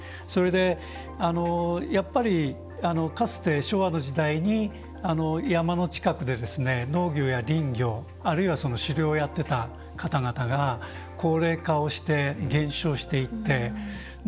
それで、やっぱりかつて昭和の時代に山の近くで、農業や林業あるいは狩猟をやってた方々が高齢化をして減少していって。